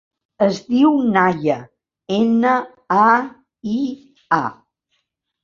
Es diu Naia: ena, a, i, a.